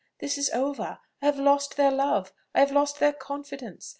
This is over: I have lost their love, I have lost their confidence.